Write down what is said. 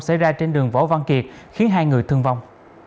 xảy ra trên đường võ văn kiệt khiến hai người thương vong